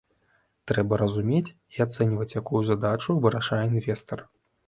Трэба разумець і ацэньваць, якую задачу вырашае інвестар.